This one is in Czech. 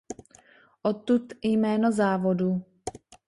Odtud jméno závodu.